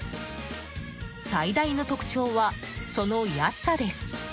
最大の特徴は、その安さです。